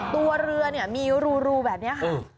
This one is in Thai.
ตัวเรือมีรูแบบนี้ค่ะ